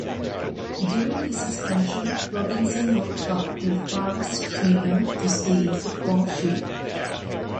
During his suspension, Robinson worked out with Favre's trainer to stay in football shape.